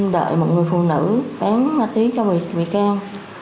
đợi một người phụ nữ bán ma túy cho một bị can